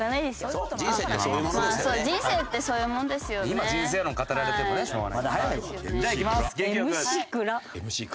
今人生論語られてもねしょうがない。